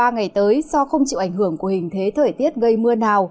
ba ngày tới do không chịu ảnh hưởng của hình thế thời tiết gây mưa nào